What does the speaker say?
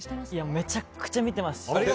めちゃくちゃ見てます。